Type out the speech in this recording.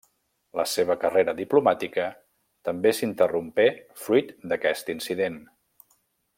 La seva carrera diplomàtica també s'interrompé fruit d'aquest incident.